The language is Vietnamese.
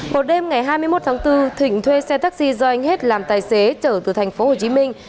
một đêm ngày hai mươi một tháng bốn thịnh thuê xe taxi do anh hết làm tài xế trở từ thành phố hồ chí minh